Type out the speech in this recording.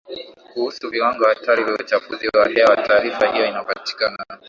kuhusu viwango hatari vya uchafuzi wa hewa Taarifa hiyo inapatikana